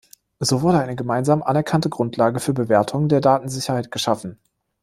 So wurde eine gemeinsam anerkannte Grundlage für Bewertungen der Datensicherheit geschaffen.